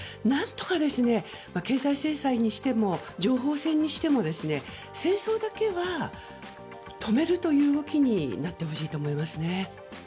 何とか経済制裁にしても情報戦にしても戦争だけは止めるという動きになってほしいと思いますね。